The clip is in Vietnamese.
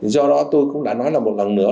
do đó tôi cũng đã nói là một lần nữa